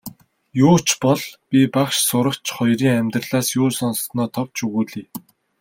Юу ч бол би багш сурагч хоёрын амьдралаас юу сонссоноо товч өгүүлье.